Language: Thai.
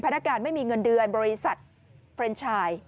นักการไม่มีเงินเดือนบริษัทเฟรนชาย